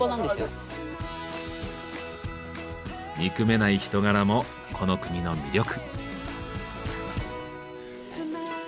憎めない人柄もこの国の魅力。